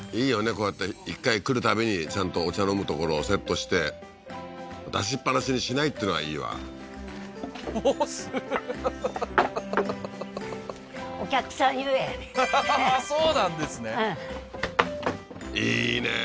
こうやって一回来るたびにちゃんとお茶飲む所をセットして出しっぱなしにしないっていうのがいいわはははっあっそうなんですねいいね